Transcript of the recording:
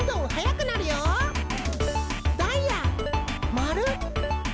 まる！